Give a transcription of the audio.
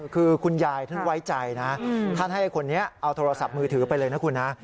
คือคุณยายท่านไว้ใจนะท่านให้คนนี้เอาโทรศัพท์มือถือไปเลยนะคุณนะ